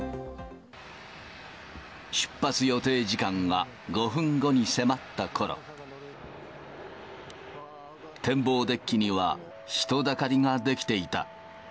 出発予定時間が５分後に迫ったころ、展望デッキには人だかりが出来ていた。